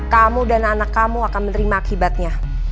kamu dan anak kamu akan menerima akibatnya